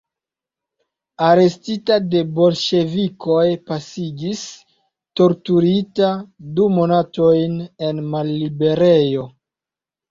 Arestita de bolŝevikoj pasigis, torturita, du monatojn en malliberejo.